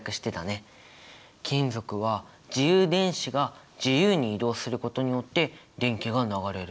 金属は自由電子が自由に移動することによって電気が流れる。